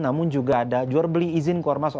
namun juga ada jual beli izin keluar masuk